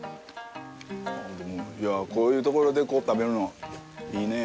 いや、こういうところでこう食べるの、いいねえ。